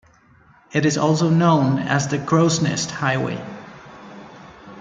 It is also known as the Crowsnest Highway.